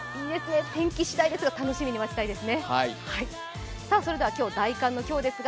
天気しだいですが、楽しみに待ちたいですね。